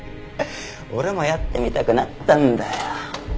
俺もやってみたくなったんだよ。